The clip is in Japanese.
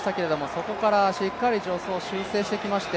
そこからしっかり助走を修正してきまして